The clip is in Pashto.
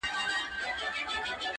• خوشحال په دې يم چي ذهين نه سمه،